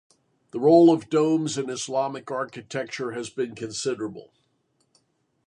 The role of domes in Islamic architecture has been considerable.